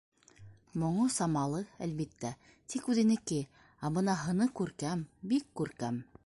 Моңо самалы, әлбиттә, тик үҙенеке, ә бына һыны күркәм, бик күркәм.